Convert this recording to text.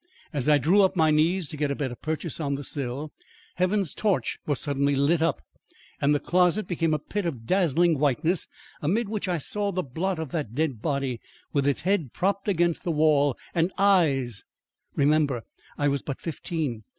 As I drew up my knees to get a better purchase on the sill, heaven's torch was suddenly lit up, the closet became a pit of dazzling whiteness amid which I saw the blot of that dead body, with head propped against the wall and eyes Remember, I was but fifteen.